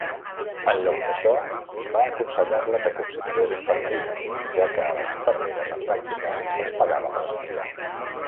En lloc d'això, va aconsellar-la que considerés infermeria, ja que a les infermeres en pràctiques se'ls pagava per estudiar.